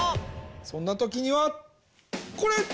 そんなときにはこれ！